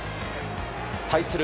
対する